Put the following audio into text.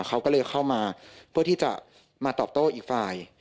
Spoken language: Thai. เขาก็เลยเข้ามาเพื่อที่จะมาตอบโต้อีกฝ่าย